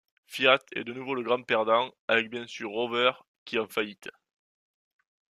Fiat est de nouveau le grand perdant, avec bien sûr Rover, qui en faillite.